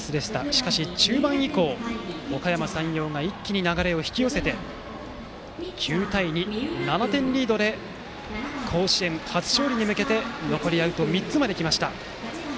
しかし中盤以降、おかやま山陽が一気に流れを引き寄せて９対２、７点リードで甲子園初勝利に向けて残りアウト３つまできました。